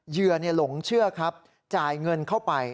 เหยื่อหลงเชื่อครับจ่ายเงินเข้าไป